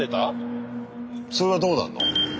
それはどうなんの？